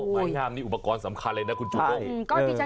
ไม้งามนี่อุปกรณ์สำคัญเลยนะคุณชูวง